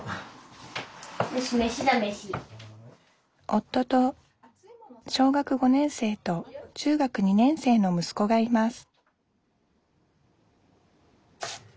夫と小学５年生と中学２年生のむすこがいます